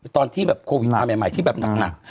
ตอนที่แบบโควิดมาใหม่ที่แบบหนัก